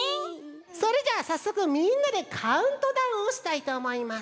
それじゃあさっそくみんなでカウントダウンをしたいとおもいます。